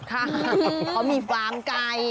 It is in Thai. ขอมีฟาร์มไก่